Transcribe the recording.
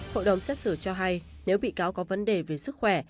hội đồng xét xử cho hay nếu bị cáo có vấn đề về sức khỏe